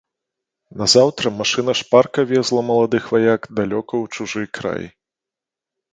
Назаўтра машына шпарка везла маладых ваяк далёка ў чужы край.